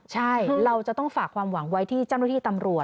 ใช่เราจะต้องฝากความหวังไว้ที่เจ้าหน้าที่ตำรวจ